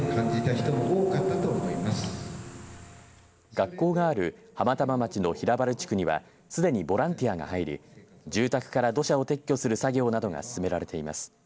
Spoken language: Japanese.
学校がある浜玉町の平原地区にはすでにボランティアが入り住宅から土砂を撤去する作業などが進められています。